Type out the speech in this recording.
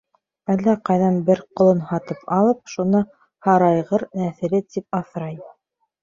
Әллә ҡайҙан бер ҡолон һатып алып, шуны һарайғыр нәҫеле тип аҫрай.